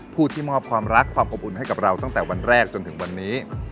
ผู้ที่มอบความรักความอบอุ่นให้กับเราตั้งแต่วันแรกจนถึงวันนี้